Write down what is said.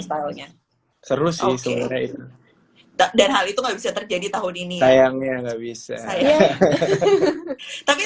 stylenya terus sebenarnya itu dan hal itu nggak bisa terjadi tahun ini sayangnya nggak bisa tapi